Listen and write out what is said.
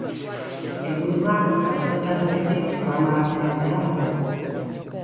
Helburua auzotar orori programa bat ematea da.